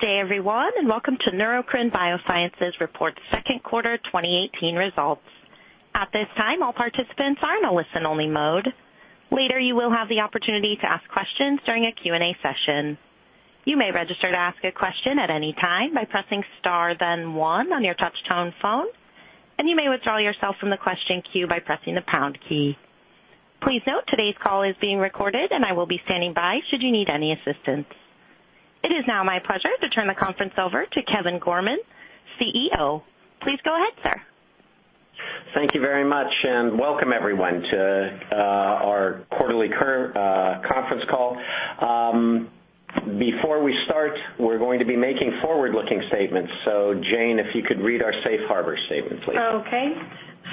Good day, everyone. Welcome to Neurocrine Biosciences Report Second Quarter 2018 Results. At this time, all participants are in a listen-only mode. Later, you will have the opportunity to ask questions during a Q&A session. You may register to ask a question at any time by pressing star then one on your touch-tone phone. You may withdraw yourself from the question queue by pressing the pound key. Please note, today's call is being recorded. I will be standing by should you need any assistance. It is now my pleasure to turn the conference over to Kevin Gorman, CEO. Please go ahead, sir. Thank you very much. Welcome everyone to our quarterly conference call. Before we start, we're going to be making forward-looking statements. Jane, if you could read our safe harbor statement, please. Okay.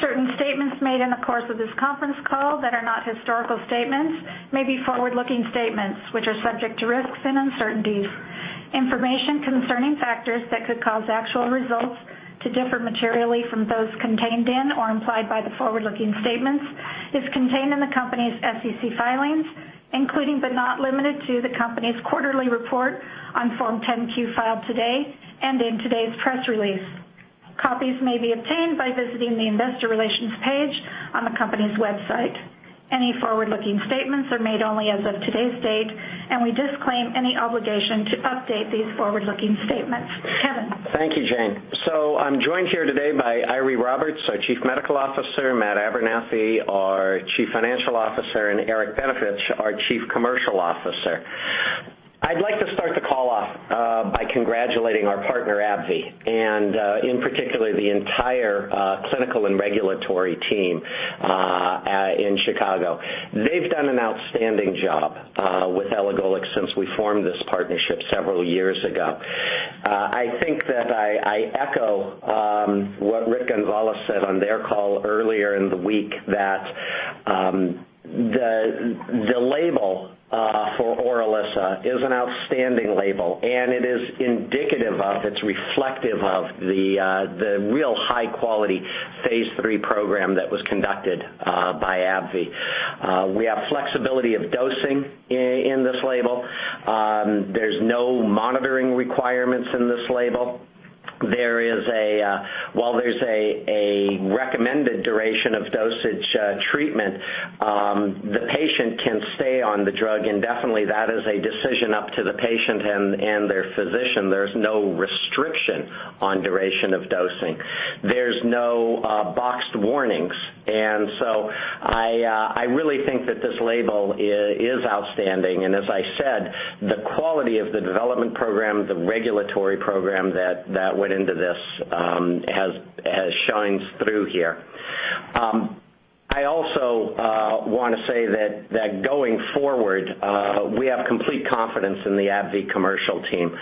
Certain statements made in the course of this conference call that are not historical statements may be forward-looking statements, which are subject to risks and uncertainties. Information concerning factors that could cause actual results to differ materially from those contained in or implied by the forward-looking statements is contained in the company's SEC filings, including but not limited to, the company's quarterly report on Form 10-Q filed today and in today's press release. Copies may be obtained by visiting the investor relations page on the company's website. Any forward-looking statements are made only as of today's date. We disclaim any obligation to update these forward-looking statements. Kevin. Thank you, Jane. I'm joined here today by Eiry Roberts, our chief medical officer; Matt Abernethy, our chief financial officer; and Eric Benevich, our chief commercial officer. I'd like to start the call off by congratulating our partner, AbbVie. In particular, the entire clinical and regulatory team in Chicago. They've done an outstanding job with elagolix since we formed this partnership several years ago. I think that I echo what Rick Gonzalez said on their call earlier in the week, that the label for ORILISSA is an outstanding label. It is indicative of, it's reflective of the real high-quality phase III program that was conducted by AbbVie. We have flexibility of dosing in this label. There's no monitoring requirements in this label. While there's a recommended duration of dosage treatment, the patient can stay on the drug indefinitely. That is a decision up to the patient and their physician. There's no restriction on duration of dosing. There's no boxed warnings. I really think that this label is outstanding. As I said, the quality of the development program, the regulatory program that went into this shines through here. I also want to say that going forward, we have complete confidence in the AbbVie commercial team.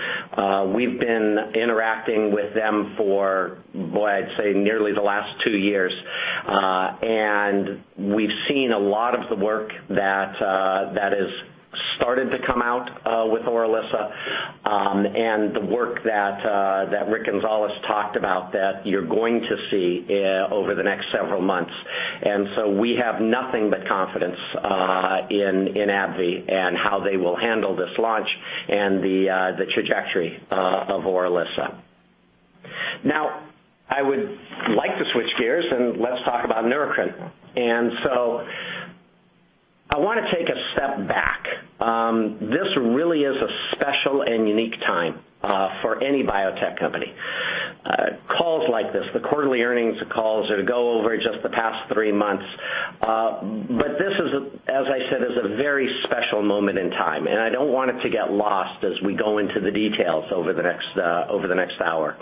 We've been interacting with them for, boy, I'd say nearly the last two years. We've seen a lot of the work that has started to come out with ORILISSA, and the work that Rick Gonzalez talked about that you're going to see over the next several months. We have nothing but confidence in AbbVie and how they will handle this launch and the trajectory of ORILISSA. I would like to switch gears and let's talk about Neurocrine. I want to take a step back. This really is a special and unique time for any biotech company. Calls like this, the quarterly earnings calls are to go over just the past three months. This, as I said, is a very special moment in time, and I don't want it to get lost as we go into the details over the next hour.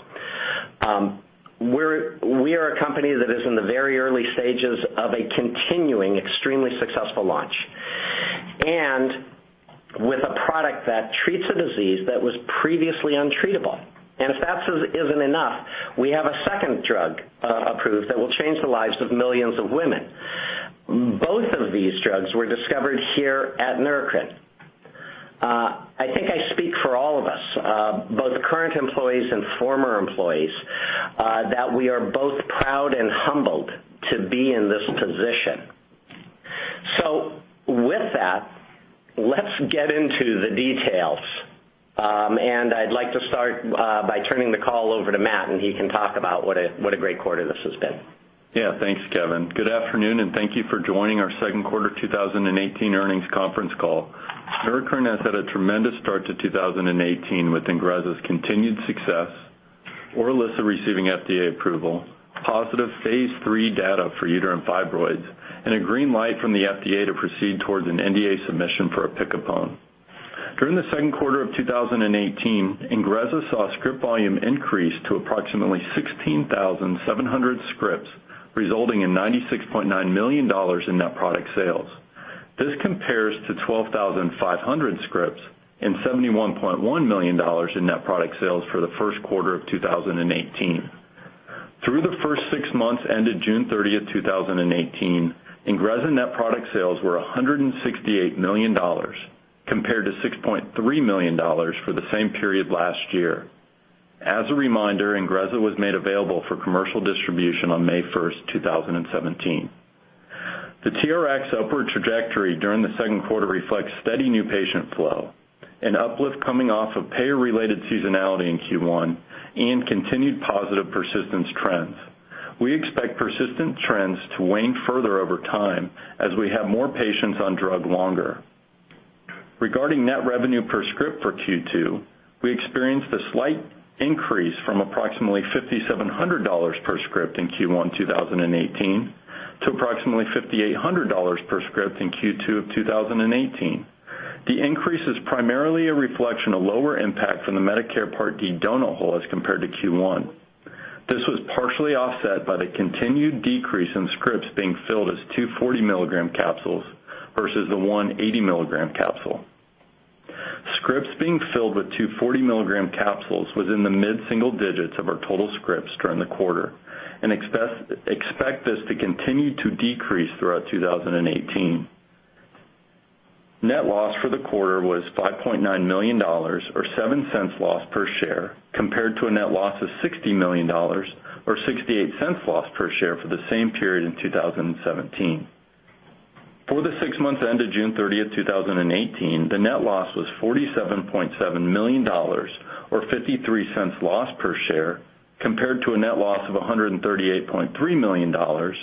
We are a company that is in the very early stages of a continuing extremely successful launch and with a product that treats a disease that was previously untreatable. If that isn't enough, we have a second drug approved that will change the lives of millions of women. Both of these drugs were discovered here at Neurocrine. I think I speak for all of us, both current employees and former employees, that we are both proud and humbled to be in this position. With that, let's get into the details. I'd like to start by turning the call over to Matt, and he can talk about what a great quarter this has been. Yeah. Thanks, Kevin. Good afternoon, and thank you for joining our second quarter 2018 earnings conference call. Neurocrine has had a tremendous start to 2018 with INGREZZA's continued success, ORILISSA receiving FDA approval, positive phase III data for uterine fibroids, and a green light from the FDA to proceed towards an NDA submission for opicapone. During the second quarter of 2018, INGREZZA saw script volume increase to approximately 16,700 scripts, resulting in $96.9 million in net product sales. This compares to 12,500 scripts and $71.1 million in net product sales for the first quarter of 2018. Through the first six months ended June 30th, 2018, INGREZZA net product sales were $168 million compared to $6.3 million for the same period last year. As a reminder, INGREZZA was made available for commercial distribution on May 1st, 2017. The TRX upward trajectory during the second quarter reflects steady new patient flow, an uplift coming off of payer-related seasonality in Q1, and continued positive persistence trends. We expect persistent trends to wane further over time as we have more patients on drug longer. Regarding net revenue per script for Q2, we experienced a slight increase from approximately $5,700 per script in Q1 2018 to approximately $5,800 per script in Q2 of 2018. The increase is primarily a reflection of lower impact from the Medicare Part D donut hole as compared to Q1. This was partially offset by the continued decrease in scripts being filled as two 40 milligram capsules versus the one 80 milligram capsule. Scripts being filled with two 40 milligram capsules was in the mid-single digits of our total scripts during the quarter, and expect this to continue to decrease throughout 2018. Net loss for the quarter was $5.9 million or $0.07 loss per share, compared to a net loss of $60 million or $0.68 loss per share for the same period in 2017. For the six months ended June 30th, 2018, the net loss was $47.7 million or $0.53 loss per share, compared to a net loss of $138.3 million or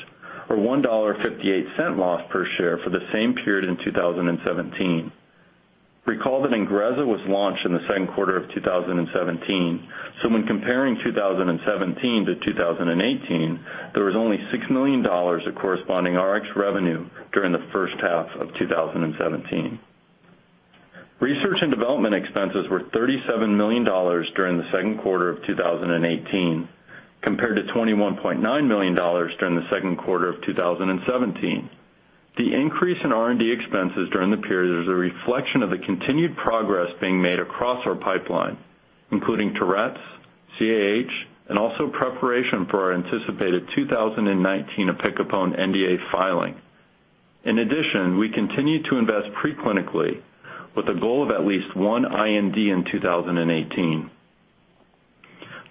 $1.58 loss per share for the same period in 2017. Recall that INGREZZA was launched in the second quarter of 2017, so when comparing 2017 to 2018, there was only $6 million of corresponding RX revenue during the first half of 2017. Research and development expenses were $37 million during the second quarter of 2018, compared to $21.9 million during the second quarter of 2017. The increase in R&D expenses during the period is a reflection of the continued progress being made across our pipeline, including Tourette's, CAH, and also preparation for our anticipated 2019 opicapone NDA filing. In addition, we continue to invest pre-clinically with a goal of at least one IND in 2018.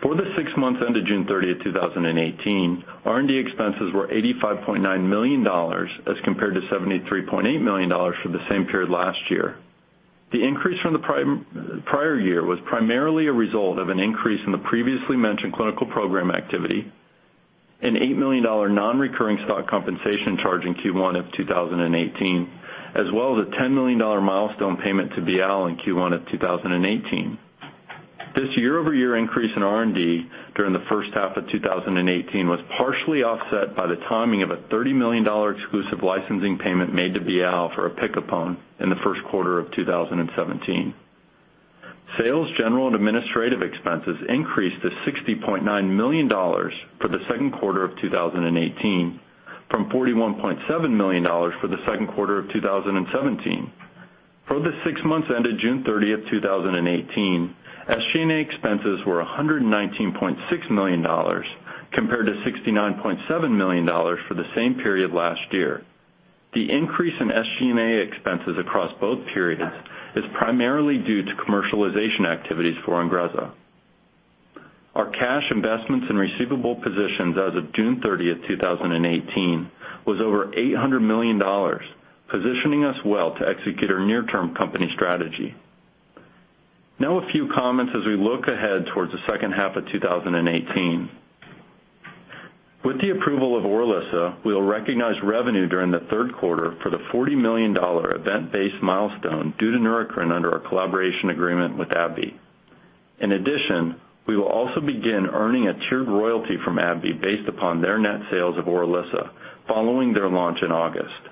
For the six months ended June 30th, 2018, R&D expenses were $85.9 million as compared to $73.8 million for the same period last year. The increase from the prior year was primarily a result of an increase in the previously mentioned clinical program activity, an $8 million non-recurring stock compensation charge in Q1 of 2018, as well as a $10 million milestone payment to Bial in Q1 of 2018. This year-over-year increase in R&D during the first half of 2018 was partially offset by the timing of a $30 million exclusive licensing payment made to Bial for opicapone in the first quarter of 2017. Sales, general, and administrative expenses increased to $60.9 million for the second quarter of 2018 from $41.7 million for the second quarter of 2017. For the six months ended June 30th, 2018, SG&A expenses were $119.6 million compared to $69.7 million for the same period last year. The increase in SG&A expenses across both periods is primarily due to commercialization activities for INGREZZA. Our cash investments and receivable positions as of June 30th, 2018, was over $800 million, positioning us well to execute our near-term company strategy. Now a few comments as we look ahead towards the second half of 2018. With the approval of ORILISSA, we will recognize revenue during the third quarter for the $40 million event-based milestone due to Neurocrine under our collaboration agreement with AbbVie. In addition, we will also begin earning a tiered royalty from AbbVie based upon their net sales of ORILISSA following their launch in August.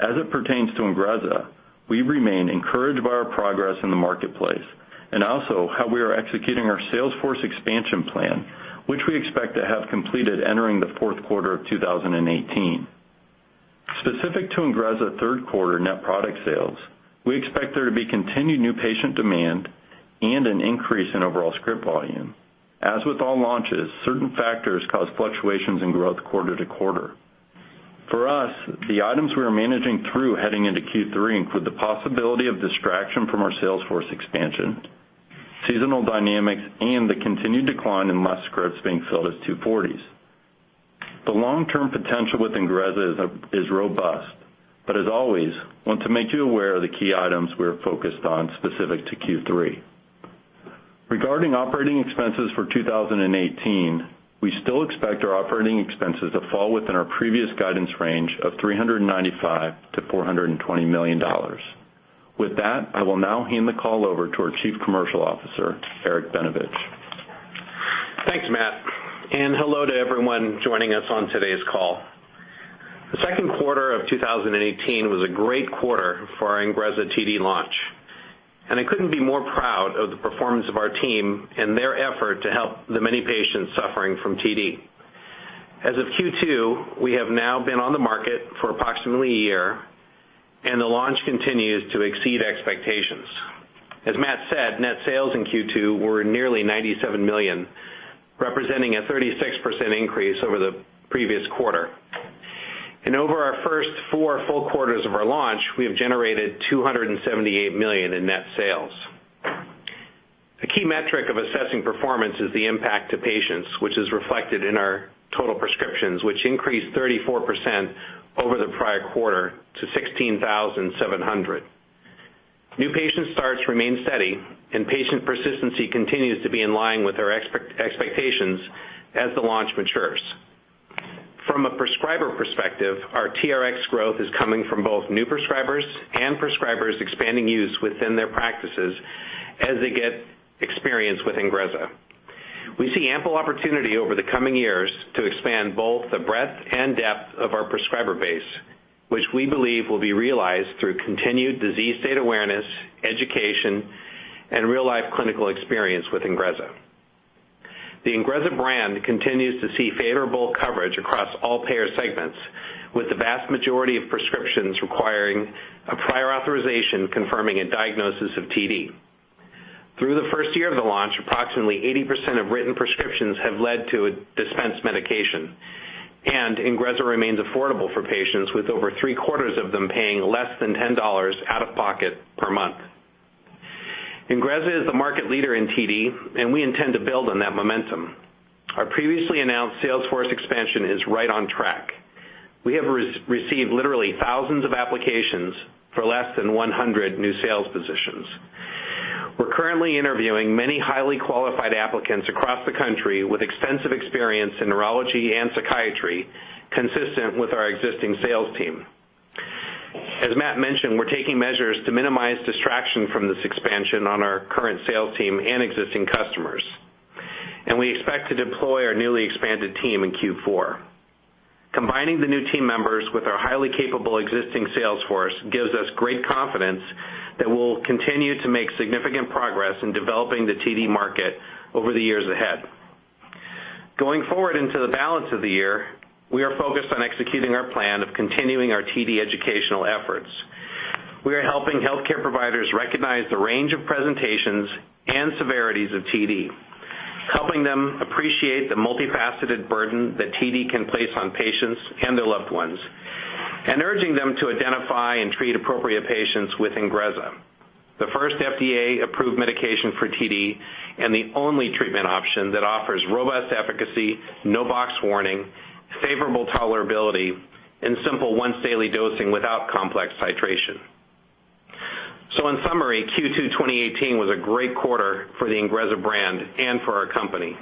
As it pertains to INGREZZA, we remain encouraged by our progress in the marketplace and also how we are executing our salesforce expansion plan, which we expect to have completed entering the fourth quarter of 2018. Specific to INGREZZA third quarter net product sales, we expect there to be continued new patient demand and an increase in overall script volume. As with all launches, certain factors cause fluctuations in growth quarter to quarter. For us, the items we are managing through heading into Q3 include the possibility of distraction from our salesforce expansion, seasonal dynamics, and the continued decline in less scripts being filled as 2 40s. The long-term potential with INGREZZA is robust, but as always, want to make you aware of the key items we are focused on specific to Q3. Regarding operating expenses for 2018, we still expect our operating expenses to fall within our previous guidance range of $395 million-$420 million. With that, I will now hand the call over to our Chief Commercial Officer, Eric Benevich. Thanks, Matt, hello to everyone joining us on today's call. The second quarter of 2018 was a great quarter for our INGREZZA TD launch, and I couldn't be more proud of the performance of our team and their effort to help the many patients suffering from TD. As of Q2, we have now been on the market for approximately a year, and the launch continues to exceed expectations. As Matt said, net sales in Q2 were nearly $97 million, representing a 36% increase over the previous quarter. Over our first four full quarters of our launch, we have generated $278 million in net sales. Key metric of assessing performance is the impact to patients, which is reflected in our total prescriptions, which increased 34% over the prior quarter to 16,700. New patient starts remain steady, patient persistency continues to be in line with our expectations as the launch matures. From a prescriber perspective, our TRX growth is coming from both new prescribers and prescribers expanding use within their practices as they get experience with INGREZZA. We see ample opportunity over the coming years to expand both the breadth and depth of our prescriber base, which we believe will be realized through continued disease state awareness, education, and real-life clinical experience with INGREZZA. The INGREZZA brand continues to see favorable coverage across all payer segments, with the vast majority of prescriptions requiring a prior authorization confirming a diagnosis of TD. Through the first year of the launch, approximately 80% of written prescriptions have led to dispensed medication, and INGREZZA remains affordable for patients with over three-quarters of them paying less than $10 out of pocket per month. INGREZZA is the market leader in TD. We intend to build on that momentum. Our previously announced sales force expansion is right on track. We have received literally thousands of applications for less than 100 new sales positions. We're currently interviewing many highly qualified applicants across the country with extensive experience in neurology and psychiatry consistent with our existing sales team. As Matt mentioned, we're taking measures to minimize distraction from this expansion on our current sales team and existing customers. We expect to deploy our newly expanded team in Q4. Combining the new team members with our highly capable existing sales force gives us great confidence that we'll continue to make significant progress in developing the TD market over the years ahead. Going forward into the balance of the year, we are focused on executing our plan of continuing our TD educational efforts. We are helping healthcare providers recognize the range of presentations and severities of TD, helping them appreciate the multifaceted burden that TD can place on patients and their loved ones, and urging them to identify and treat appropriate patients with INGREZZA. The first FDA-approved medication for TD and the only treatment option that offers robust efficacy, no box warning, favorable tolerability, and simple once-daily dosing without complex titration. In summary, Q2 2018 was a great quarter for the INGREZZA brand and for our company.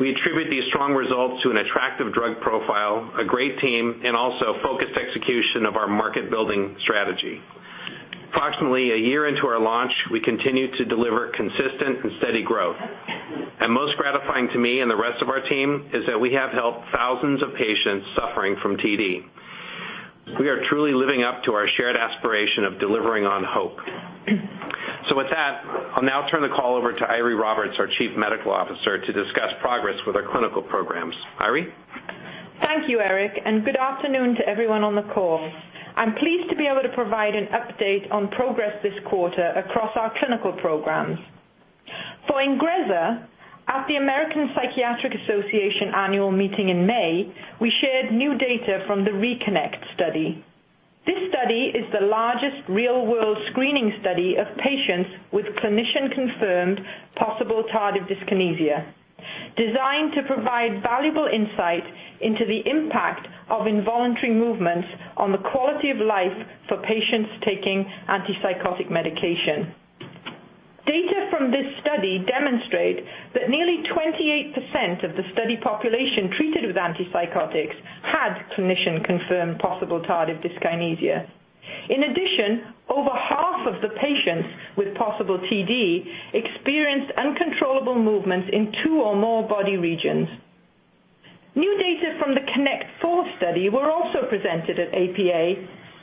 We attribute these strong results to an attractive drug profile, a great team, and also focused execution of our market-building strategy. Approximately a year into our launch, we continue to deliver consistent and steady growth. Most gratifying to me and the rest of our team is that we have helped thousands of patients suffering from TD. We are truly living up to our shared aspiration of delivering on hope. With that, I'll now turn the call over to Eiry Roberts, our Chief Medical Officer, to discuss progress with our clinical programs. Eiry? Thank you, Eric. Good afternoon to everyone on the call. I'm pleased to be able to provide an update on progress this quarter across our clinical programs. For INGREZZA, at the American Psychiatric Association annual meeting in May, we shared new data from the RE-KINECT study. This study is the largest real-world screening study of patients with clinician-confirmed possible tardive dyskinesia, designed to provide valuable insight into the impact of involuntary movements on the quality of life for patients taking antipsychotic medication. Data from this study demonstrate that nearly 28% of the study population treated with antipsychotics had clinician-confirmed possible tardive dyskinesia. Over half of the patients with possible TD experienced uncontrollable movements in two or more body regions. New data from the KINECT 4 study were also presented at APA,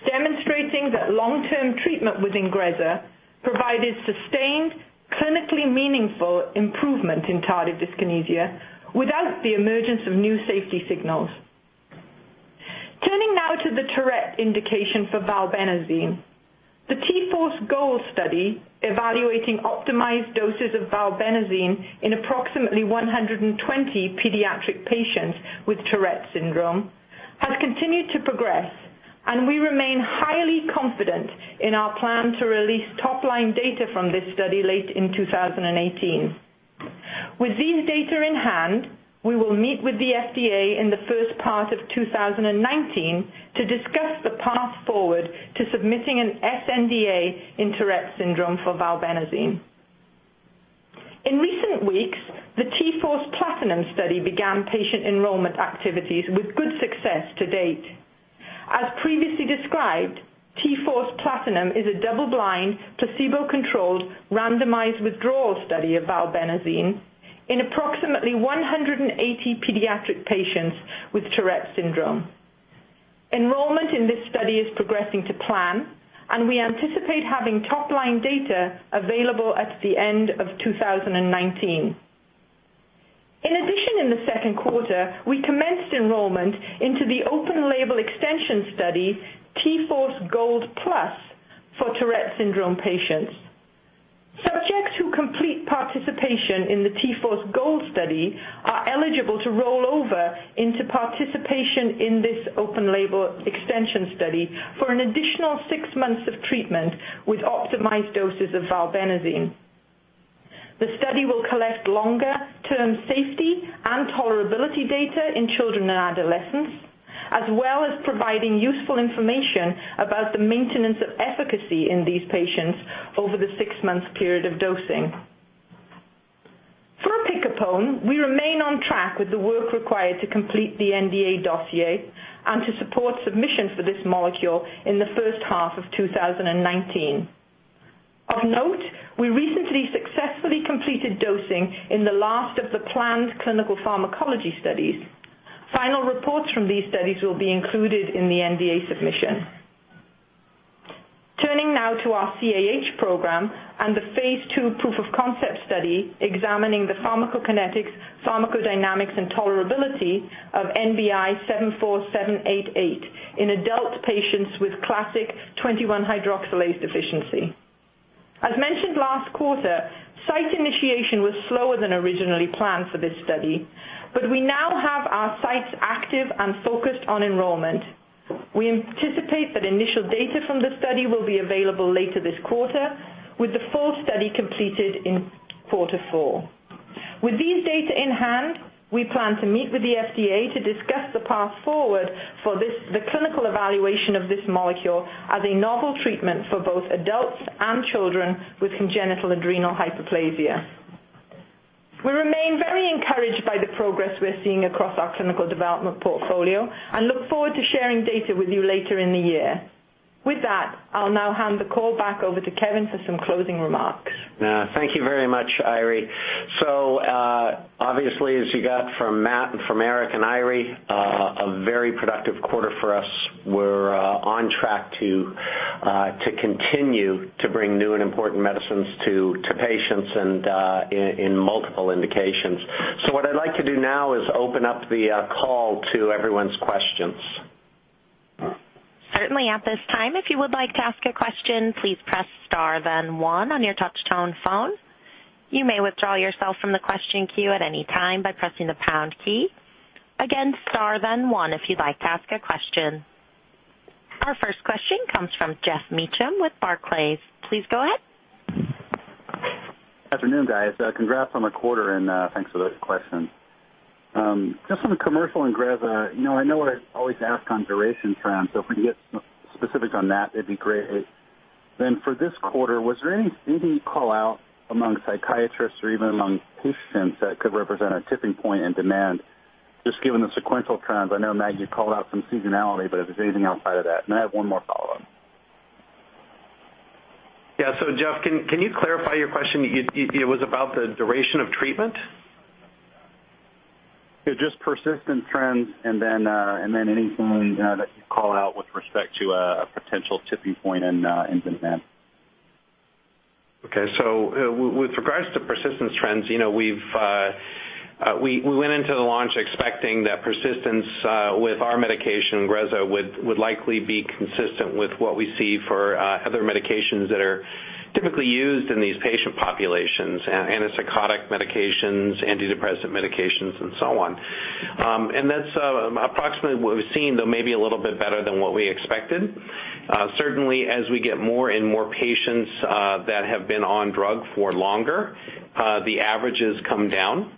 demonstrating that long-term treatment with INGREZZA provided sustained, clinically meaningful improvement in tardive dyskinesia without the emergence of new safety signals. Turning now to the Tourette indication for valbenazine. The T-Force GOLD study, evaluating optimized doses of valbenazine in approximately 120 pediatric patients with Tourette syndrome, has continued to progress. We remain highly confident in our plan to release top-line data from this study late in 2018. With these data in hand, we will meet with the FDA in the first part of 2019 to discuss the path forward to submitting an sNDA in Tourette syndrome for valbenazine. In recent weeks, the T-Force PLATINUM study began patient enrollment activities with good success to date. As previously described, T-Force PLATINUM is a double-blind, placebo-controlled, randomized withdrawal study of valbenazine in approximately 180 pediatric patients with Tourette syndrome. Enrollment in this study is progressing to plan. We anticipate having top-line data available at the end of 2019. In addition, in the second quarter, we commenced enrollment into the open-label extension study, T-Force GOLD Plus, for Tourette syndrome patients. Subjects who complete participation in the T-Force GOLD study are eligible to roll over into participation in this open-label extension study for an additional six months of treatment with optimized doses of valbenazine. The study will collect longer-term safety and tolerability data in children and adolescents, as well as providing useful information about the maintenance of efficacy in these patients over the six-month period of dosing. For opicapone, we remain on track with the work required to complete the NDA dossier and to support submission for this molecule in the first half of 2019. Of note, we recently successfully completed dosing in the last of the planned clinical pharmacology studies. Final reports from these studies will be included in the NDA submission. Turning now to our CAH program and the phase II proof of concept study examining the pharmacokinetics, pharmacodynamics, and tolerability of NBI-74788 in adult patients with classic 21-hydroxylase deficiency. As mentioned last quarter, site initiation was slower than originally planned for this study. We now have our sites active and focused on enrollment. We anticipate that initial data from the study will be available later this quarter, with the full study completed in quarter four. With these data in hand, we plan to meet with the FDA to discuss the path forward for the clinical evaluation of this molecule as a novel treatment for both adults and children with congenital adrenal hyperplasia. We remain very encouraged by the progress we're seeing across our clinical development portfolio. We look forward to sharing data with you later in the year. With that, I'll now hand the call back over to Kevin for some closing remarks. Thank you very much, Eiry. Obviously, as you got from Matt and from Eric and Eiry, a very productive quarter for us. We're on track to continue to bring new and important medicines to patients and in multiple indications. What I'd like to do now is open up the call to everyone's questions. Certainly at this time, if you would like to ask a question, please press star then one on your touchtone phone. You may withdraw yourself from the question queue at any time by pressing the pound key. Again, star then one if you'd like to ask a question. Our first question comes from Geoffrey Meacham with Barclays. Please go ahead. Afternoon, guys. Congrats on the quarter, and thanks for the questions. Just on the commercial INGREZZA. I know I always ask on duration trends, if we can get specific on that, it'd be great. For this quarter, was there anything you'd call out among psychiatrists or even among patients that could represent a tipping point in demand, just given the sequential trends? I know, Matt, you called out some seasonality, but if there's anything outside of that. I have one more follow-on. Yeah. Jeff, can you clarify your question? It was about the duration of treatment? Yeah, just persistence trends, anything that you call out with respect to a potential tipping point in demand. Okay. With regards to persistence trends, we went into the launch expecting that persistence with our medication, INGREZZA, would likely be consistent with what we see for other medications that are typically used in these patient populations: antipsychotic medications, antidepressant medications, and so on. That's approximately what we've seen, though maybe a little bit better than what we expected. Certainly, as we get more and more patients that have been on drug for longer, the averages come down.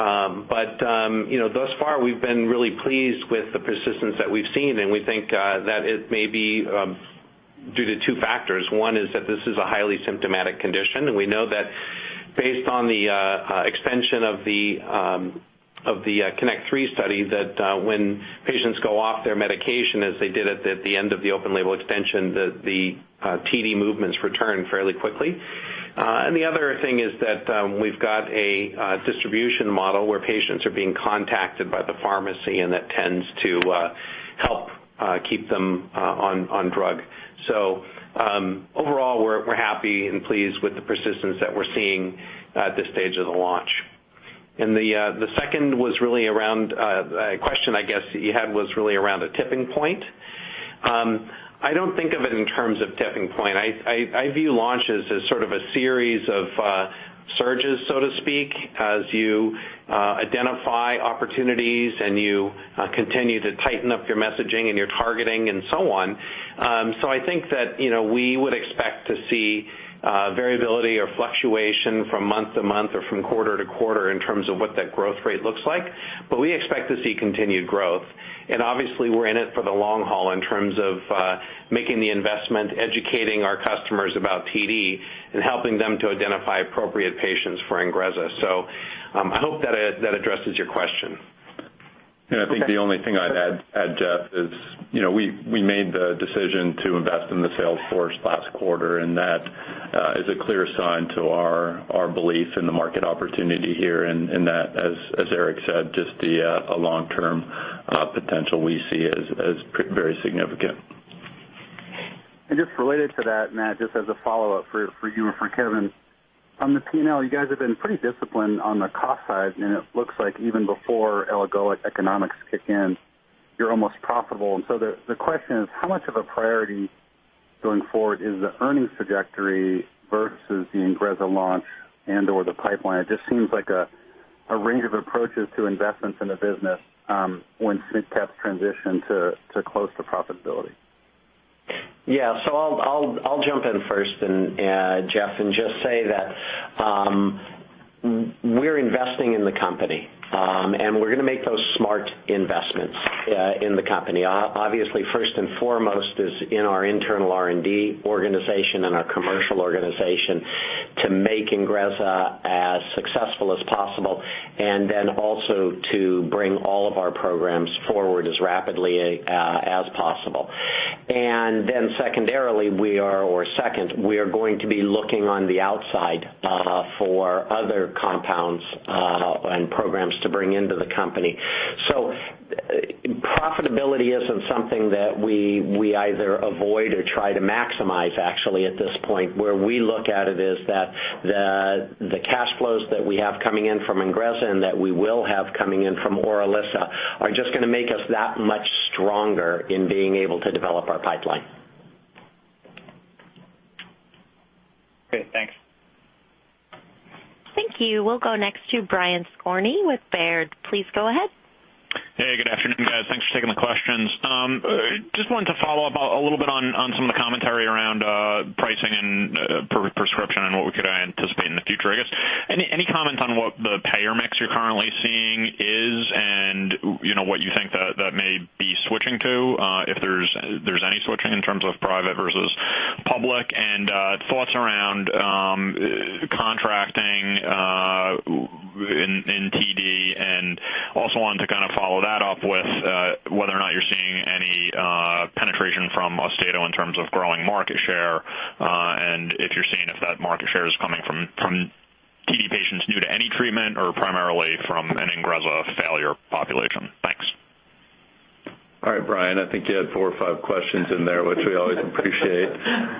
Thus far, we've been really pleased with the persistence that we've seen, and we think that it may be due to two factors. One is that this is a highly symptomatic condition, and we know that based on the extension of the KINECT 3 study, that when patients go off their medication, as they did at the end of the open-label extension, the TD movements return fairly quickly. The other thing is that we've got a distribution model where patients are being contacted by the pharmacy, and that tends to help keep them on drug. Overall, we're happy and pleased with the persistence that we're seeing at this stage of the launch. The second question, I guess, that you had was really around a tipping point. I don't think of it in terms of tipping point. I view launches as sort of a series of surges, so to speak, as you identify opportunities and you continue to tighten up your messaging and your targeting and so on. I think that we would expect to see variability or fluctuation from month to month or from quarter to quarter in terms of what that growth rate looks like. We expect to see continued growth. Obviously, we're in it for the long haul in terms of making the investment, educating our customers about TD, and helping them to identify appropriate patients for INGREZZA. I hope that addresses your question. I think the only thing I'd add, Jeff, is we made the decision to invest in the sales force last quarter, and that is a clear sign to our belief in the market opportunity here and that, as Eric said, just the long-term potential we see as very significant. Just related to that, Matt, just as a follow-up for you and for Kevin. On the P&L, you guys have been pretty disciplined on the cost side, and it looks like even before elagolix economics kick in, you're almost profitable. The question is, how much of a priority going forward is the earnings trajectory versus the INGREZZA launch and/or the pipeline? It just seems like a range of approaches to investments in the business when SMID cap's transitioned to close to profitability. Yeah. I'll jump in first, Jeff, and just say that we're investing in the company, and we're going to make those smart investments in the company. Obviously, first and foremost is in our internal R&D organization and our commercial organization to make INGREZZA as successful as possible, then also to bring all of our programs forward as rapidly as possible. Then secondarily, or second, we are going to be looking on the outside for other compounds and programs to bring into the company. Profitability isn't something that we either avoid or try to maximize actually at this point. Where we look at it is that the cash flows that we have coming in from INGREZZA and that we will have coming in from ORILISSA are just going to make us that much stronger in being able to develop our pipeline. Great. Thanks. Thank you. We'll go next to Brian Skorney with Baird. Please go ahead. Hey, good afternoon, guys. Thanks for taking the questions. Just wanted to follow up a little bit on some of the commentary around pricing and prescription and what we could anticipate in the future, I guess. Any comments on what the payer mix you're currently seeing is and what you think that may be switching to, if there's any switching in terms of private versus public? Thoughts around contracting in TD and also wanted to kind of follow that up with whether or not you're seeing any penetration from AUSTEDO in terms of growing market share, and if you're seeing if that market share is coming from TD patients new to any treatment or primarily from an INGREZZA failure population. Thanks. All right, Brian, I think you had four or five questions in there, which we always appreciate.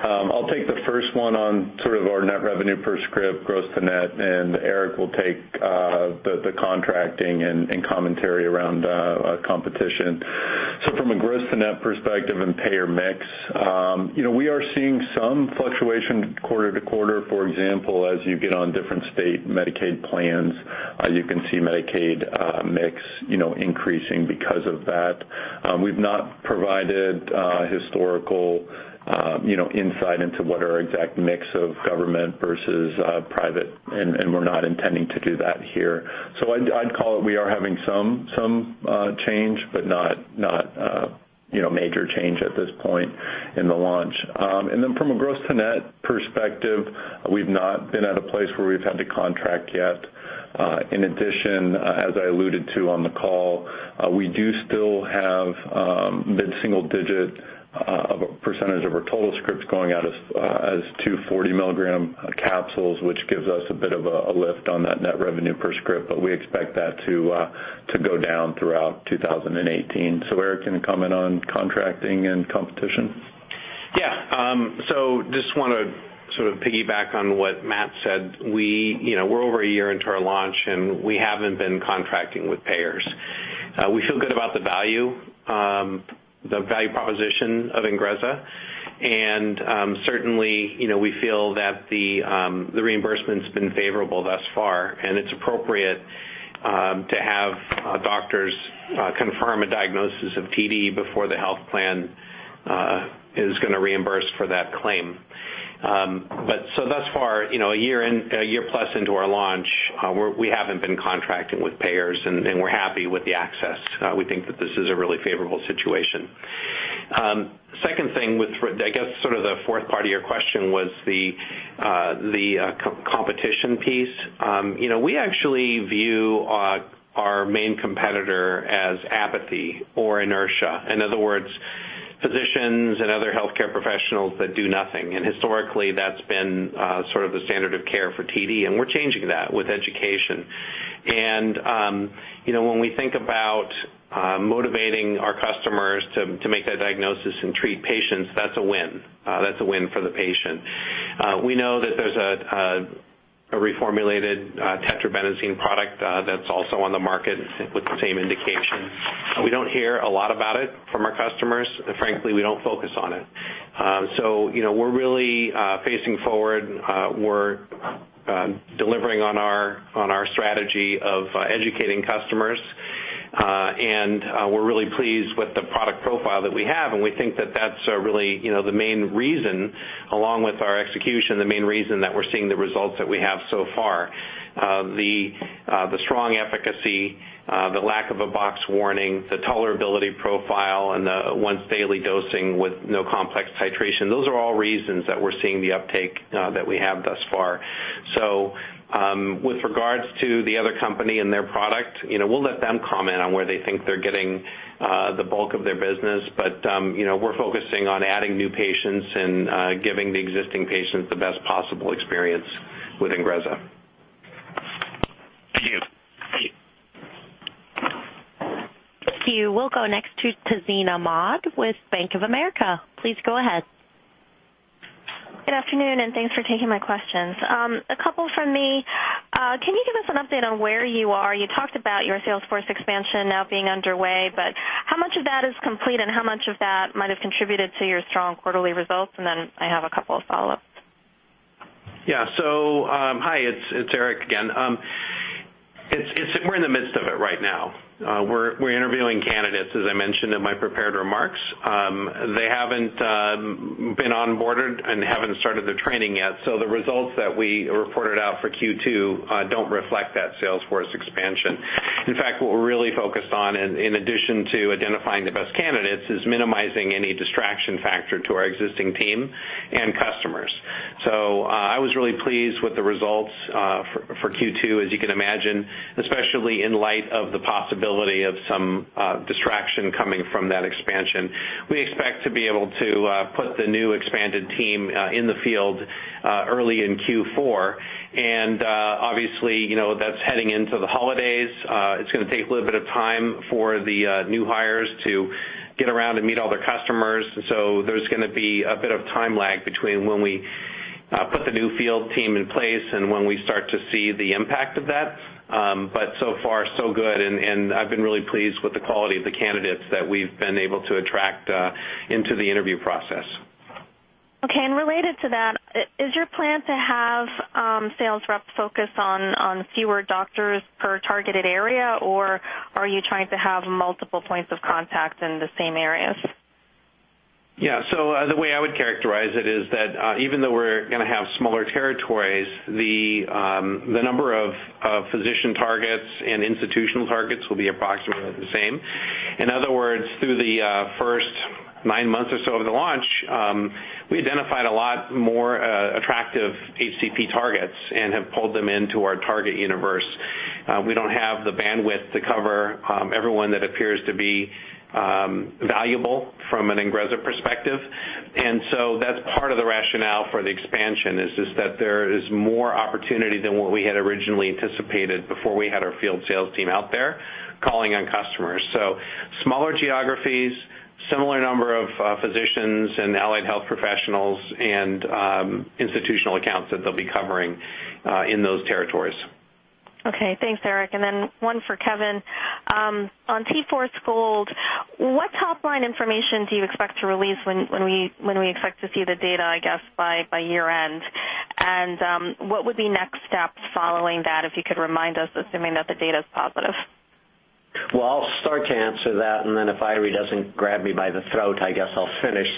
I'll take the first one on sort of our net revenue per script, gross to net, and Eric will take the contracting and commentary around competition. From a gross to net perspective and payer mix, we are seeing some fluctuation quarter to quarter. For example, as you get on different state Medicaid plans, you can see Medicaid mix increasing because of that. We've not provided historical insight into what our exact mix of government versus private, and we're not intending to do that here. I'd call it we are having some change, but not major change at this point in the launch. From a gross to net perspective, we've not been at a place where we've had to contract yet. In addition, as I alluded to on the call, we do still have mid-single digit of a percentage of our total scripts going out as 240 milligram capsules, which gives us a bit of a lift on that net revenue per script, but we expect that to go down throughout 2018. Eric, any comment on contracting and competition? Yeah. Just want to sort of piggyback on what Matt said. We're over a year into our launch. We haven't been contracting with payers. We feel good about the value proposition of INGREZZA. Certainly, we feel that the reimbursement's been favorable thus far, and it's appropriate to have doctors confirm a diagnosis of TD before the health plan is going to reimburse for that claim. Thus far, a year plus into our launch, we haven't been contracting with payers, and we're happy with the access. We think that this is a really favorable situation. Second thing with, I guess sort of the fourth part of your question was the competition piece. We actually view our main competitor as apathy or inertia. In other words, physicians and other healthcare professionals that do nothing. Historically, that's been sort of the standard of care for TD, and we're changing that with education. When we think about motivating our customers to make that diagnosis and treat patients, that's a win. That's a win for the patient. We know that there's a reformulated tetrabenazine product that's also on the market with the same indication. We don't hear a lot about it from our customers. Frankly, we don't focus on it. We're really facing forward. We're delivering on our strategy of educating customers, and we're really pleased with the product profile that we have, and we think that that's really the main reason, along with our execution, the main reason that we're seeing the results that we have so far. The strong efficacy, the lack of a box warning, the tolerability profile, and the once-daily dosing with no complex titration, those are all reasons that we're seeing the uptake that we have thus far. With regards to the other company and their product, we'll let them comment on where they think they're getting the bulk of their business. We're focusing on adding new patients and giving the existing patients the best possible experience with INGREZZA. Thank you. Thank you. We'll go next to Tazeen Ahmad with Bank of America. Please go ahead. Good afternoon, and thanks for taking my questions. A couple from me. Can you give us an update on where you are? You talked about your sales force expansion now being underway, but how much of that is complete, and how much of that might have contributed to your strong quarterly results? I have a couple of follow-ups. Hi, it's Eric again. We're in the midst of it right now. We're interviewing candidates, as I mentioned in my prepared remarks. They haven't been onboarded and haven't started their training yet. The results that we reported out for Q2 don't reflect that sales force expansion. In fact, what we're really focused on, in addition to identifying the best candidates, is minimizing any distraction factor to our existing team and customers. I was really pleased with the results for Q2, as you can imagine, especially in light of the possibility of some distraction coming from that expansion. We expect to be able to put the new expanded team in the field early in Q4. Obviously, that's heading into the holidays. It's going to take a little bit of time for the new hires to get around and meet all their customers. There's going to be a bit of time lag between when we put the new field team in place and when we start to see the impact of that. So far so good, and I've been really pleased with the quality of the candidates that we've been able to attract into the interview process. Okay. Related to that, is your plan to have sales rep focus on fewer doctors per targeted area, or are you trying to have multiple points of contact in the same areas? Yeah. The way I would characterize it is that, even though we're going to have smaller territories, the number of physician targets and institutional targets will be approximately the same. In other words, through the first nine months or so of the launch, we identified a lot more attractive HCP targets and have pulled them into our target universe. We don't have the bandwidth to cover everyone that appears to be valuable from an INGREZZA perspective, that's part of the rationale for the expansion, is just that there is more opportunity than what we had originally anticipated before we had our field sales team out there calling on customers. Smaller geographies, similar number of physicians and allied health professionals and institutional accounts that they'll be covering in those territories. Okay, thanks, Eric. One for Kevin. On T-Force GOLD, what top-line information do you expect to release when we expect to see the data, I guess, by year-end? What would be next steps following that, if you could remind us, assuming that the data is positive? I'll start to answer that, and then if Eiry doesn't grab me by the throat, I guess I'll finish.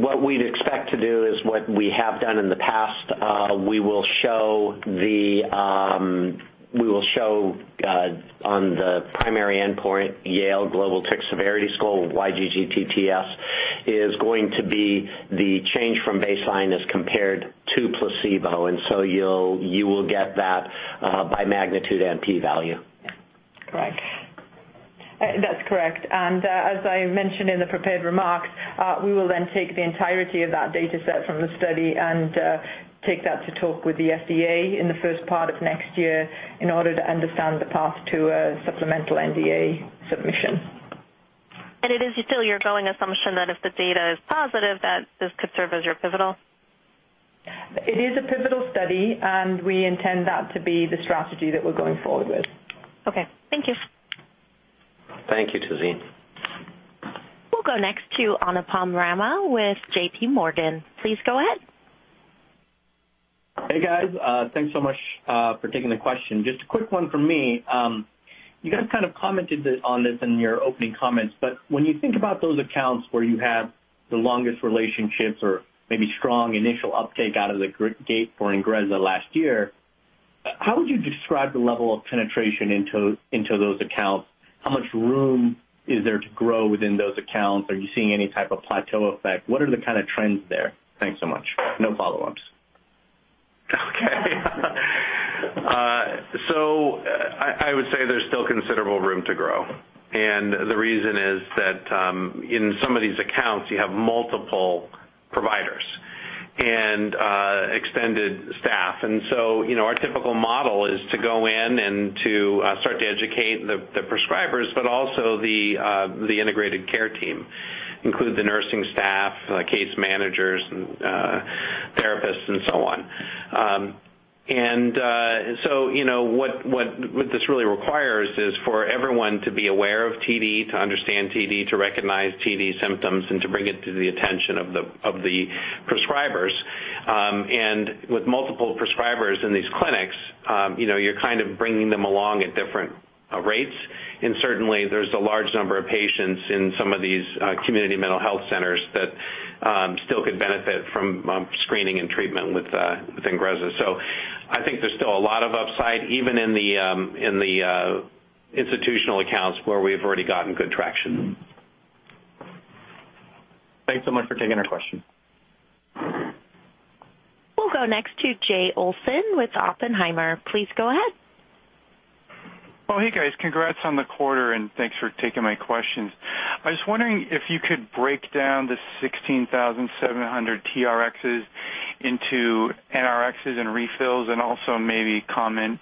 What we'd expect to do is what we have done in the past. We will show on the primary endpoint, Yale Global Tic Severity Scale, YGTSS, is going to be the change from baseline as compared to placebo. You will get that by magnitude and P value. Right. That's correct. As I mentioned in the prepared remarks, we will then take the entirety of that data set from the study and take that to talk with the FDA in the first part of next year in order to understand the path to a supplemental NDA submission. It is still your going assumption that if the data is positive, that this could serve as your pivotal? It is a pivotal study, and we intend that to be the strategy that we're going forward with. Okay. Thank you. Thank you, Tazeen. We'll go next to Anupam Rama with JPMorgan. Please go ahead. Hey, guys. Thanks so much for taking the question. Just a quick one from me. You guys kind of commented on this in your opening comments, but when you think about those accounts where you have the longest relationships or maybe strong initial uptake out of the gate for INGREZZA last year, how would you describe the level of penetration into those accounts? How much room is there to grow within those accounts? Are you seeing any type of plateau effect? What are the kind of trends there? Thanks so much. No follow-ups. I would say there's still considerable room to grow. The reason is that in some of these accounts, you have multiple providers and extended staff. Our typical model is to go in and to start to educate the prescribers, but also the integrated care team, include the nursing staff, case managers, and therapists, and so on. What this really requires is for everyone to be aware of TD, to understand TD, to recognize TD symptoms, and to bring it to the attention of the prescribers. With multiple prescribers in these clinics, you're kind of bringing them along at different rates. Certainly, there's a large number of patients in some of these community mental health centers that still could benefit from screening and treatment with INGREZZA. I think there's still a lot of upside, even in the institutional accounts where we've already gotten good traction. Thanks so much for taking the question. We'll go next to Jay Olson with Oppenheimer. Please go ahead. Oh, hey, guys. Congrats on the quarter, and thanks for taking my questions. I was wondering if you could break down the 16,700 TRXs into NRx and refills, and also maybe comment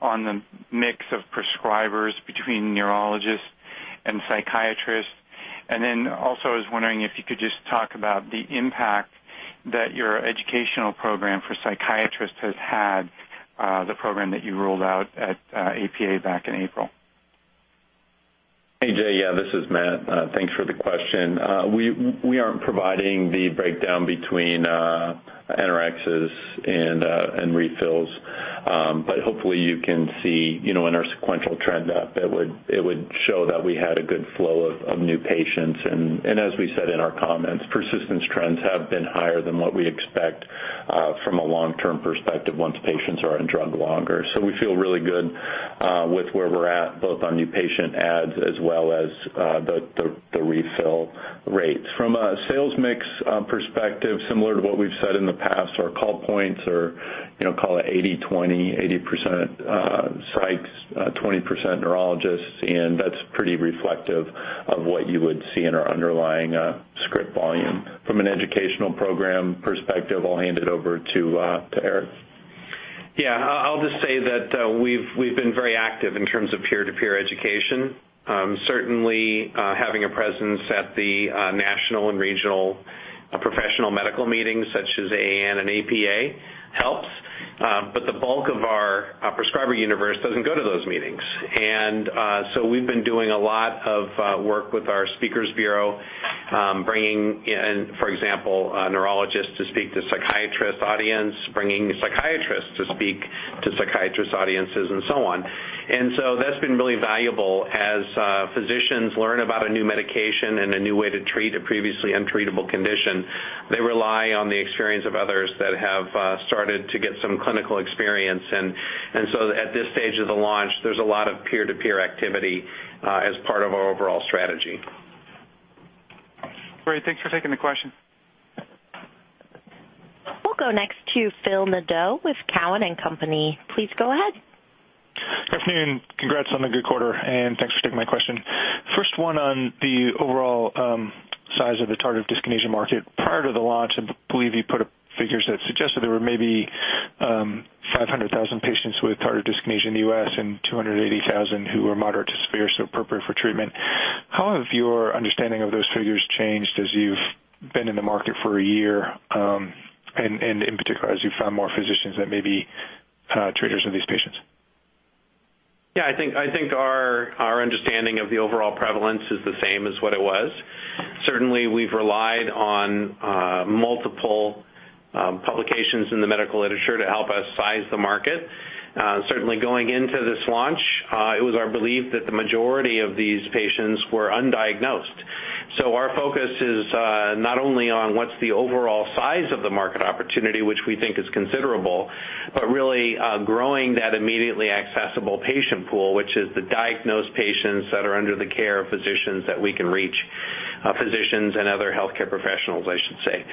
on the mix of prescribers between neurologists and psychiatrists. I was wondering if you could just talk about the impact that your educational program for psychiatrists has had, the program that you rolled out at APA back in April. Hey, Jay. Yeah, this is Matt. Thanks for the question. We aren't providing the breakdown between NRx and refills. Hopefully you can see in our sequential trend up, it would show that we had a good flow of new patients and as we said in our comments, persistence trends have been higher than what we expect from a long-term perspective once patients are on drug longer. We feel really good with where we're at, both on new patient adds as well as the refill rates. From a sales mix perspective, similar to what we've said in the past, our call points are call it 80/20, 80% psychs, 20% neurologists, and that's pretty reflective of what you would see in our underlying script volume. From an educational program perspective, I'll hand it over to Eric. Yeah. I'll just say that we've been very active in terms of peer-to-peer education. Certainly, having a presence at the national and regional professional medical meetings such as AAN and APA helps. The bulk of our prescriber universe doesn't go to those meetings. We've been doing a lot of work with our speakers bureau, bringing in, for example, neurologists to speak to psychiatrist audience, bringing psychiatrists to speak to psychiatrist audiences, and so on. That's been really valuable as physicians learn about a new medication and a new way to treat a previously untreatable condition. They rely on the experience of others that have started to get some clinical experience and so at this stage of the launch, there's a lot of peer-to-peer activity as part of our overall strategy. Great. Thanks for taking the question. We'll go next to Phil Nadeau with Cowen and Company. Please go ahead. Good afternoon. Congrats on the good quarter and thanks for taking my question. First one on the overall size of the tardive dyskinesia market. Prior to the launch, I believe you put up figures that suggested there were maybe 500,000 patients with tardive dyskinesia in the U.S. and 280,000 who were moderate to severe, so appropriate for treatment. How have your understanding of those figures changed as you've been in the market for a year, and in particular, as you found more physicians that may be treaters of these patients? Yeah, I think our understanding of the overall prevalence is the same as what it was. Certainly, we've relied on multiple publications in the medical literature to help us size the market. Certainly going into this launch, it was our belief that the majority of these patients were undiagnosed. Our focus is not only on what's the overall size of the market opportunity, which we think is considerable, but really growing that immediately accessible patient pool, which is the diagnosed patients that are under the care of physicians that we can reach. Physicians and other healthcare professionals, I should say.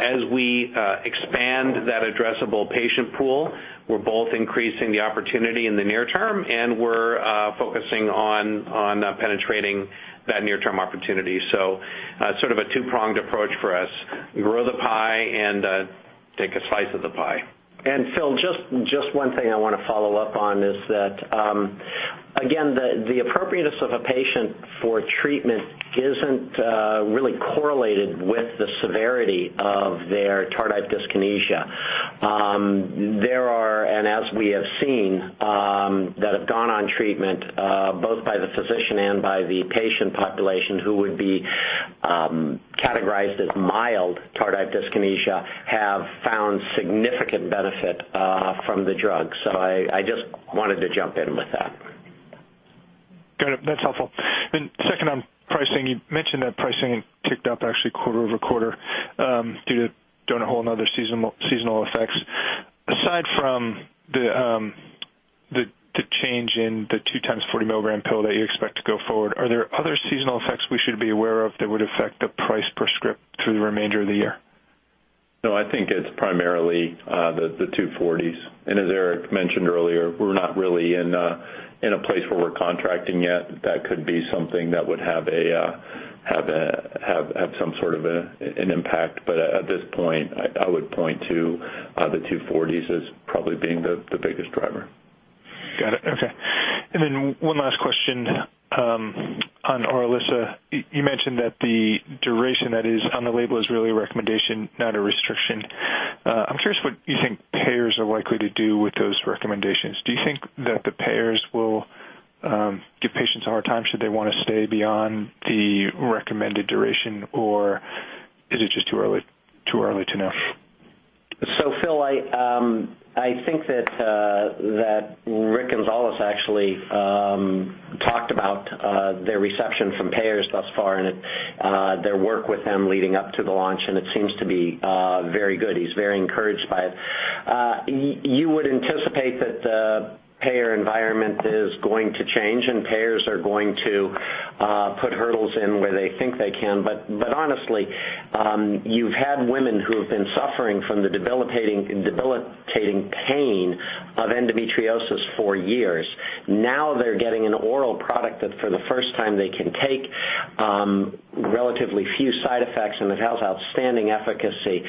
As we expand that addressable patient pool, we're both increasing the opportunity in the near term and we're focusing on penetrating that near-term opportunity. Sort of a two-pronged approach for us. Grow the pie and take a slice of the pie. Phil, just one thing I want to follow up on is that again, the appropriateness of a patient for treatment isn't really correlated with the severity of their tardive dyskinesia. There are, and as we have seen, that have gone on treatment, both by the physician and by the patient population who would be categorized as mild tardive dyskinesia, have found significant benefit from the drug. I just wanted to jump in with that. Got it. That's helpful. Second, on pricing, you mentioned that pricing ticked up actually quarter-over-quarter due to Donut Hole and other seasonal effects. Aside from the change in the two times 40-milligram pill that you expect to go forward, are there other seasonal effects we should be aware of that would affect the price per script through the remainder of the year? No, I think it's primarily the two 40s. As Eric mentioned earlier, we're not really in a place where we're contracting yet. That could be something that would have some sort of an impact. At this point, I would point to the two 40s as probably being the biggest driver. Got it. Okay. One last question on ORILISSA. You mentioned that the duration that is on the label is really a recommendation, not a restriction. I'm curious what you think payers are likely to do with those recommendations. Do you think that the payers will give patients a hard time should they want to stay beyond the recommended duration, or is it just too early to know? Phil, I think that Richard Gonzalez actually talked about their reception from payers thus far and their work with him leading up to the launch, it seems to be very good. He's very encouraged by it. You would anticipate that the payer environment is going to change and payers are going to put hurdles in where they think they can. Honestly, you've had women who have been suffering from the debilitating pain of endometriosis for years. Now they're getting an oral product that for the first time they can take, relatively few side effects, and it has outstanding efficacy.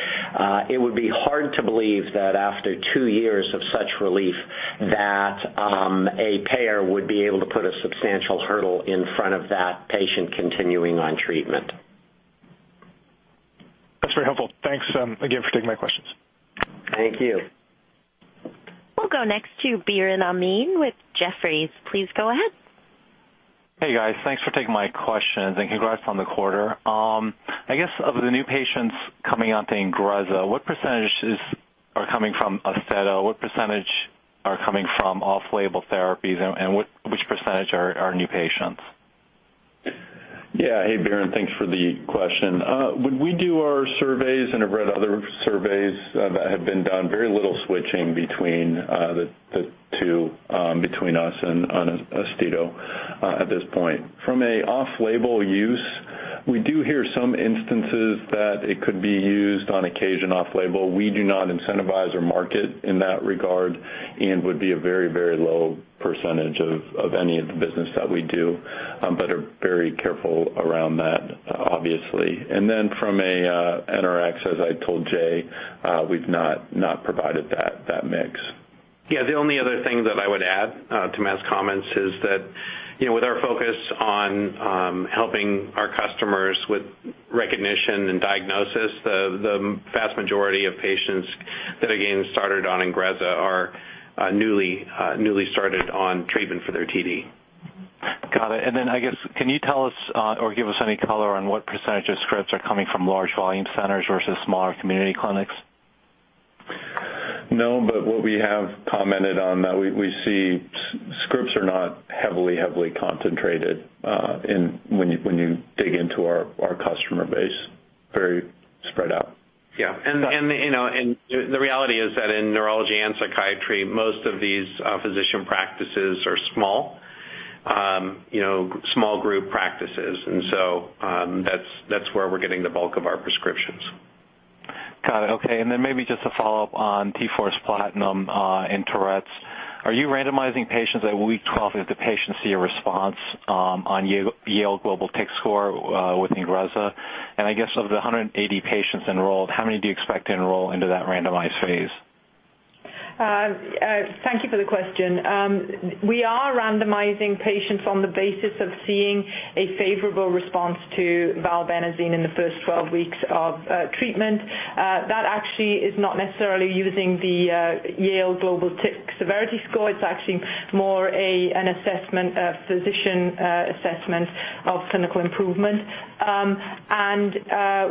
It would be hard to believe that after 2 years of such relief that a payer would be able to put a substantial hurdle in front of that patient continuing on treatment. Thanks again for taking my questions. Thank you. We'll go next to Biren Amin with Jefferies. Please go ahead. Hey, guys. Thanks for taking my questions, and congrats on the quarter. I guess of the new patients coming onto INGREZZA, what percentages are coming from AUSTEDO? What percentage are coming from off-label therapies, and which percentage are new patients? Yeah. Hey, Biren, thanks for the question. When we do our surveys, and I've read other surveys that have been done, very little switching between the two, between us and on AUSTEDO at this point. From an off-label use, we do hear some instances that it could be used on occasion off label. We do not incentivize or market in that regard and would be a very low % of any of the business that we do, but are very careful around that, obviously. From an NRx, as I told Jay, we've not provided that mix. Yeah, the only other thing that I would add to Matt's comments is that, with our focus on helping our customers with recognition and diagnosis, the vast majority of patients that, again, started on INGREZZA are newly started on treatment for their TD. Got it. I guess, can you tell us or give us any color on what % of scripts are coming from large volume centers versus smaller community clinics? No, what we have commented on, that we see scripts are not heavily concentrated when you dig into our customer base. Very spread out. Yeah. The reality is that in neurology and psychiatry, most of these physician practices are small group practices. So, that's where we're getting the bulk of our prescriptions. Got it. Okay. Then maybe just a follow-up on T-Force Platinum in Tourette's. Are you randomizing patients at week 12 if the patients see a response on Yale Global Tic score with INGREZZA? I guess of the 180 patients enrolled, how many do you expect to enroll into that randomized phase? Thank you for the question. We are randomizing patients on the basis of seeing a favorable response to valbenazine in the first 12 weeks of treatment. That actually is not necessarily using the Yale Global Tic Severity Scale. It's actually more a physician assessment of clinical improvement.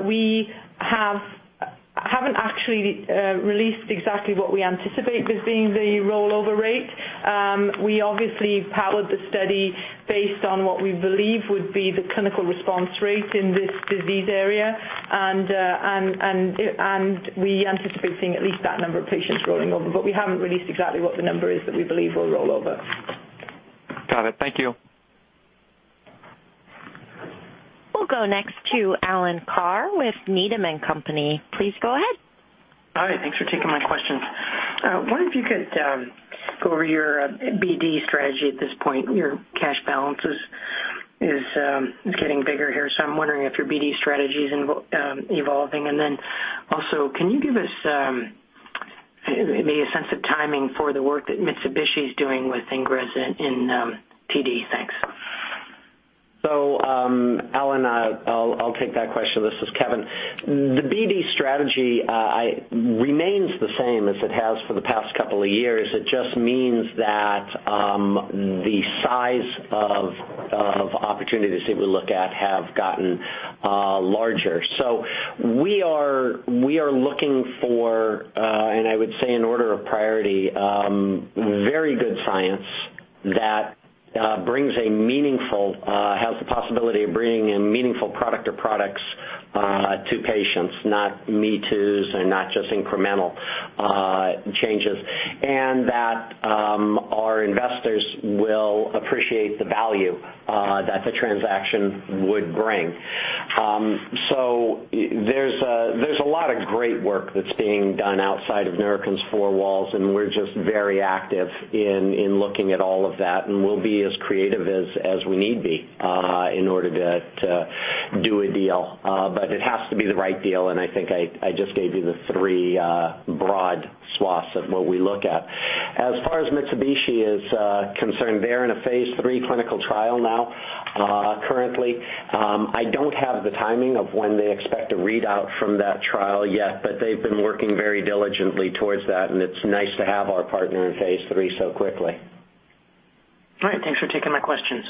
We haven't actually released exactly what we anticipate as being the rollover rate. We obviously powered the study based on what we believe would be the clinical response rate in this disease area. We anticipate seeing at least that number of patients rolling over, but we haven't released exactly what the number is that we believe will roll over. Got it. Thank you. We'll go next to Alan Carr with Needham & Company. Please go ahead. Hi, thanks for taking my questions. Wonder if you could go over your BD strategy at this point. Your cash balances is getting bigger here, so I'm wondering if your BD strategy is evolving. Can you give us maybe a sense of timing for the work that Mitsubishi is doing with INGREZZA in PD? Thanks. Alan, I'll take that question. This is Kevin. The BD strategy remains the same as it has for the past couple of years. It just means that the size of opportunities that we look at have gotten larger. We are looking for, and I would say in order of priority, very good science that has the possibility of bringing a meaningful product or products to patients, not me-toos and not just incremental changes. Our investors will appreciate the value that the transaction would bring. There's a lot of great work that's being done outside of Neurocrine's four walls, and we're just very active in looking at all of that, and we'll be as creative as we need be in order to do a deal. It has to be the right deal, and I think I just gave you the three broad swaths of what we look at. As far as Mitsubishi is concerned, they're in a phase III clinical trial now, currently. I don't have the timing of when they expect a readout from that trial yet, but they've been working very diligently towards that, and it's nice to have our partner in phase III so quickly. All right. Thanks for taking my questions.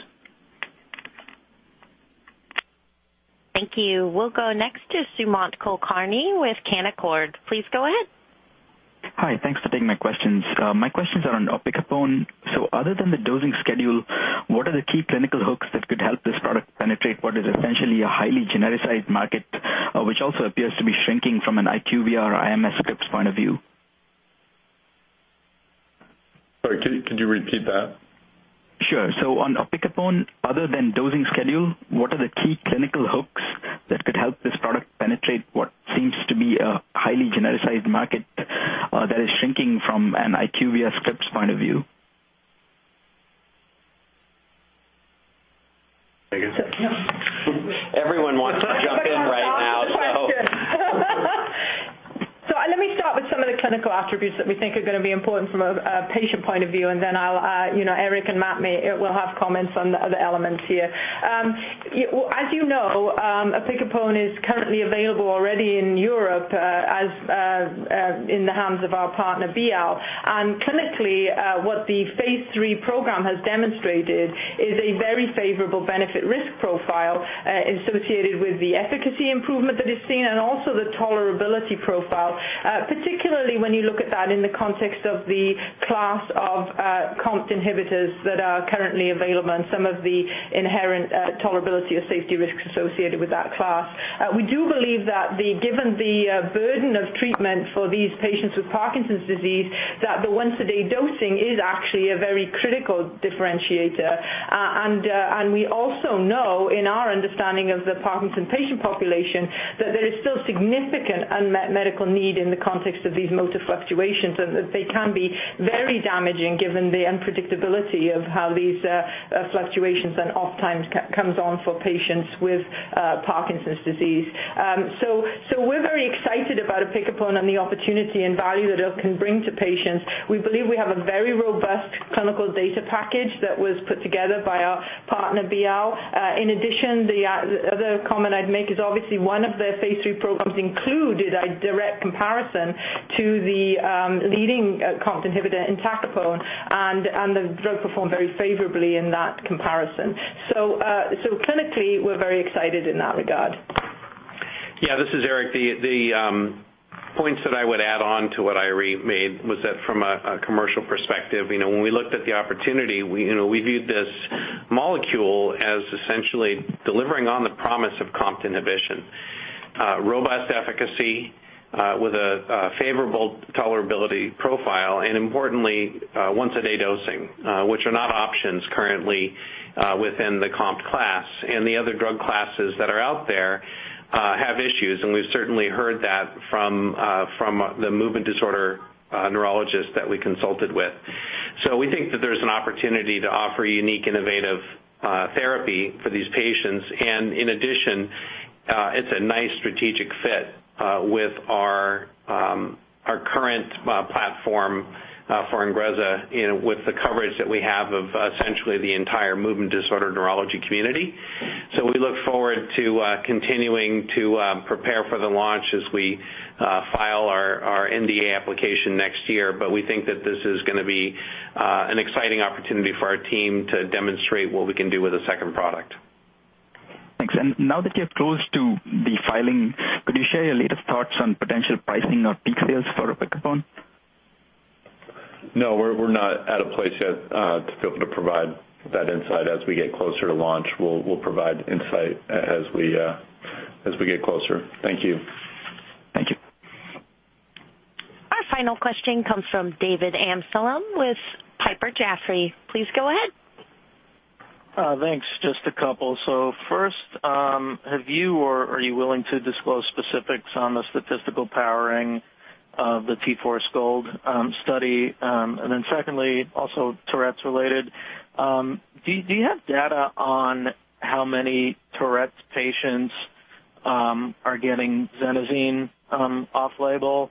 Thank you. We'll go next to Sumant Kulkarni with Canaccord. Please go ahead. Hi, thanks for taking my questions. My questions are on opicapone. Other than the dosing schedule, what are the key clinical hooks that could help this product penetrate what is essentially a highly genericized market, which also appears to be shrinking from an IQVIA IMS scripts point of view? Sorry, could you repeat that? Sure. On opicapone, other than dosing schedule, what are the key clinical hooks that could help this product penetrate what seems to be a highly genericized market that is shrinking from an IQVIA scripts point of view? Megan? Everyone wants to jump in right now. Clinical attributes that we think are going to be important from a patient point of view. Then Eric and Matt will have comments on the other elements here. As you know, opicapone is currently available already in Europe, in the hands of our partner, Bial. Clinically, what the phase III program has demonstrated is a very favorable benefit-risk profile associated with the efficacy improvement that is seen and also the tolerability profile, particularly when you look at that in the context of the class of COMT inhibitors that are currently available and some of the inherent tolerability or safety risks associated with that class. We do believe that given the burden of treatment for these patients with Parkinson's disease, that the once-a-day dosing is actually a very critical differentiator. We also know in our understanding of the Parkinson's patient population, that there is still significant unmet medical need in the context of these motor fluctuations, and that they can be very damaging given the unpredictability of how these fluctuations and off times comes on for patients with Parkinson's disease. We're very excited about opicapone and the opportunity and value that it can bring to patients. We believe we have a very robust clinical data package that was put together by our partner, Bial. In addition, the other comment I'd make is obviously one of the phase III programs included a direct comparison to the leading COMT inhibitor, entacapone, and the drug performed very favorably in that comparison. Clinically, we're very excited in that regard. Yeah, this is Eric. The points that I would add on to what Eiry made was that from a commercial perspective, when we looked at the opportunity, we viewed this molecule as essentially delivering on the promise of COMT inhibition. Robust efficacy with a favorable tolerability profile, importantly, once-a-day dosing, which are not options currently within the COMT class. The other drug classes that are out there have issues, and we've certainly heard that from the movement disorder neurologists that we consulted with. We think that there's an opportunity to offer unique, innovative therapy for these patients. In addition, it's a nice strategic fit with our current platform for INGREZZA with the coverage that we have of essentially the entire movement disorder neurology community. We look forward to continuing to prepare for the launch as we file our NDA application next year. We think that this is going to be an exciting opportunity for our team to demonstrate what we can do with a second product. Thanks. Now that you're close to the filing, could you share your latest thoughts on potential pricing or peak sales for opicapone? No, we're not at a place yet to be able to provide that insight. As we get closer to launch, we'll provide insight as we get closer. Thank you. Thank you. Our final question comes from David Amsellem with Piper Jaffray. Please go ahead. Thanks. Just a couple. First, have you or are you willing to disclose specifics on the statistical powering of the T-Force GOLD study? Secondly, also Tourette's related, do you have data on how many Tourette's patients are getting Xenazine off-label?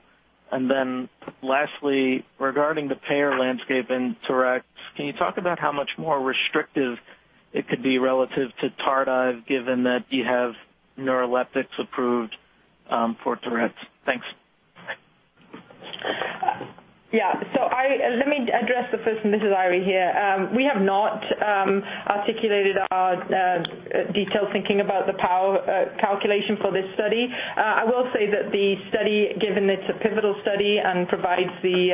Lastly, regarding the payer landscape in Tourette's, can you talk about how much more restrictive it could be relative to TARDIVE given that you have neuroleptics approved for Tourette's? Thanks. Let me address the first. This is Eiry here. We have not articulated our detailed thinking about the power calculation for this study. I will say that the study, given it's a pivotal study and provides the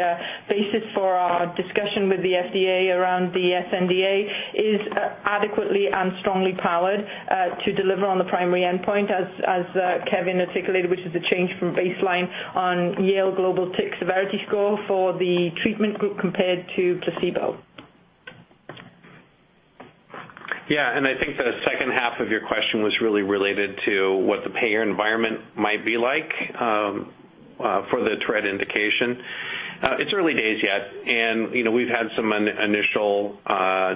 basis for our discussion with the FDA around the sNDA, is adequately and strongly powered to deliver on the primary endpoint, as Kevin articulated, which is a change from baseline on Yale Global Tic Severity Score for the treatment group compared to placebo. I think the second half of your question was really related to what the Tourette indication. It's early days yet. We've had some initial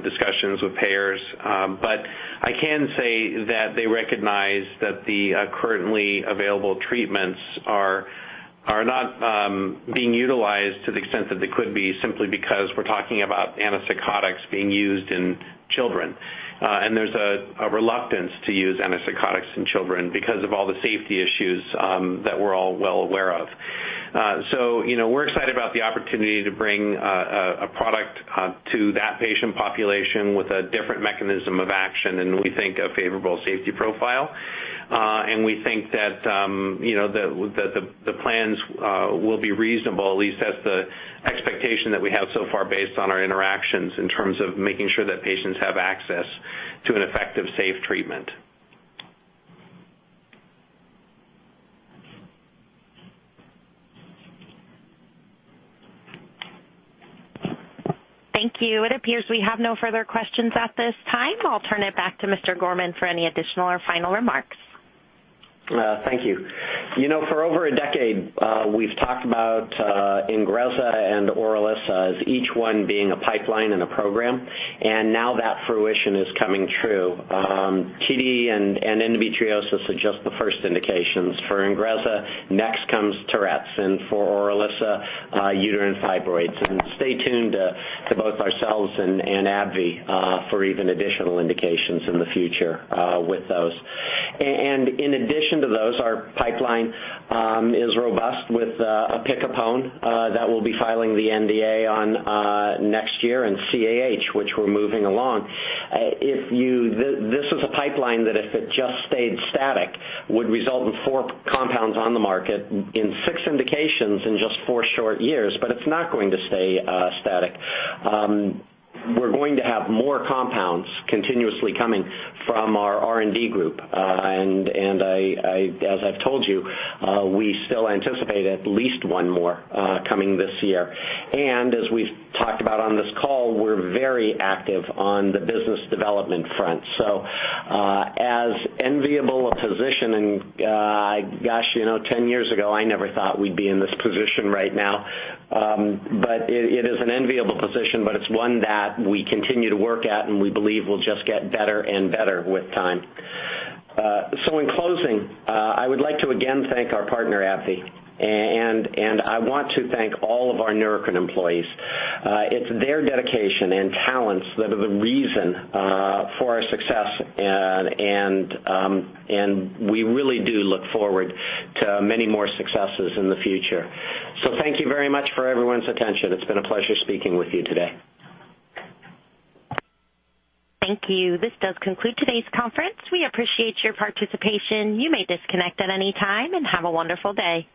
discussions with payers. I can say that they recognize that the currently available treatments are not being utilized to the extent that they could be, simply because we're talking about antipsychotics being used in children. There's a reluctance to use antipsychotics in children because of all the safety issues that we're all well aware of. We're excited about the opportunity to bring a product to that patient population with a different mechanism of action and we think a favorable safety profile. We think that the plans will be reasonable, at least that's the expectation that we have so far based on our interactions in terms of making sure that patients have access to an effective, safe treatment. Thank you. It appears we have no further questions at this time. I'll turn it back to Mr. Gorman for any additional or final remarks. Thank you. For over a decade, we've talked about INGREZZA and ORILISSA as each one being a pipeline and a program, now that fruition is coming true. TD and endometriosis are just the first indications. For INGREZZA, next comes Tourette's, and for ORILISSA, uterine fibroids. Stay tuned to both ourselves and AbbVie for even additional indications in the future with those. In addition to those, our pipeline is robust with opicapone that we'll be filing the NDA on next year and CAH, which we're moving along. This is a pipeline that if it just stayed static, would result in four compounds on the market in six indications in just four short years, it's not going to stay static. We're going to have more compounds continuously coming from our R&D group. As I've told you, we still anticipate at least one more coming this year. As we've talked about on this call, we're very active on the business development front. As enviable a position, and gosh, 10 years ago, I never thought we'd be in this position right now. It is an enviable position, but it's one that we continue to work at, and we believe will just get better and better with time. In closing, I would like to again thank our partner, AbbVie. I want to thank all of our Neurocrine employees. It's their dedication and talents that are the reason for our success, and we really do look forward to many more successes in the future. Thank you very much for everyone's attention. It's been a pleasure speaking with you today. Thank you. This does conclude today's conference. We appreciate your participation. You may disconnect at any time, and have a wonderful day.